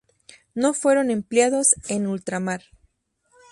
No fueron empleados en ultramar.